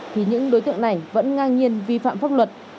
thì những đối tượng này vẫn ngang nhiên vi phạm pháp luật